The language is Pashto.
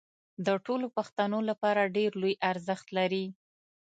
د ټولو پښتنو لپاره ډېر لوی ارزښت لري